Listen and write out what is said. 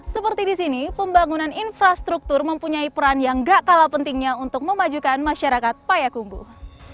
seperti di sini pembangunan infrastruktur mempunyai peran yang gak kalah pentingnya untuk memajukan masyarakat payakumbuh